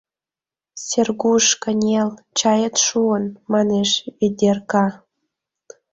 — Сергуш, кынел, чает шуын, — манеш Ведерка.